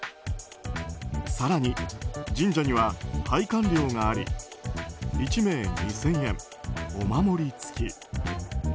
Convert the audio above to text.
更に、神社には拝観料もあり１名２０００円、お守り付き。